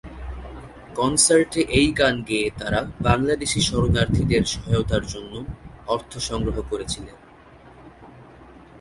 কনসার্টে এই গান গেয়ে তারা বাংলাদেশী শরণার্থীদের সহায়তার জন্য অর্থ সংগ্রহ করেছিলেন।